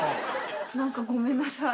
何かごめんなさい。